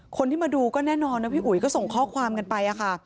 คนที่มาดูก็แน่นอนนะพี่อุ๋ยก็ส่งข้อความกันไปค่ะ